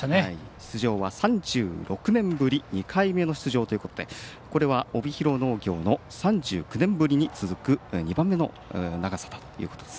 出場は３６年ぶり２回目の出場ということでこれは、帯広農業の３９年ぶりに続く２番目の長さということです。